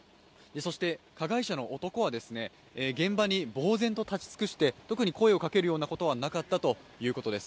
加害者の男は、現場にぼう然と立ち尽くして特に声をかけるようなことはなかったということです。